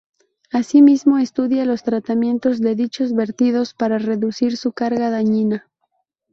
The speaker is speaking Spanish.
Asimismo, estudia los tratamientos de dichos vertidos para reducir su carga dañina.